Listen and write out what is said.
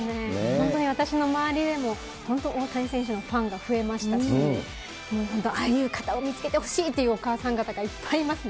本当に私の周りでも、本当、大谷選手のファンが増えましたし、もう本当、ああいう方を見つけてほしいってお母さん方がいっぱいいますね。